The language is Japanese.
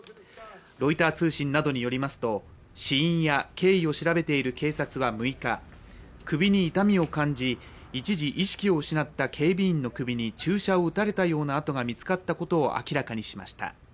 ロイター通信などによりますと死因や経緯を調べている警察は６日首に痛みを感じ、一時意識を失った警備員の首に注射を打たれたような跡が見つかったことを明らかにしました。